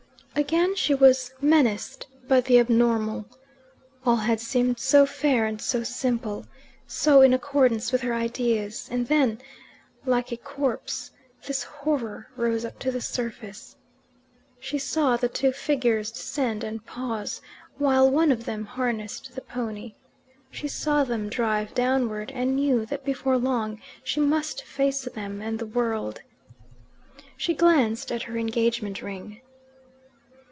Again she was menaced by the abnormal. All had seemed so fair and so simple, so in accordance with her ideas; and then, like a corpse, this horror rose up to the surface. She saw the two figures descend and pause while one of them harnessed the pony; she saw them drive downward, and knew that before long she must face them and the world. She glanced at her engagement ring.